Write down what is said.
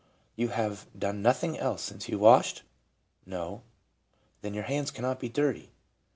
''— You have done nothing else since you washed ? —No. — Then your hands cannot be dirty!